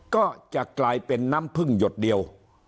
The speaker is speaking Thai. ก็จะกลายเป็นน้ำพึ่งหยดเดียว